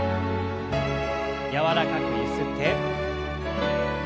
柔らかくゆすって。